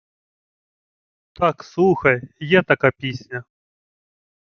— Так слухай. Є така пісня: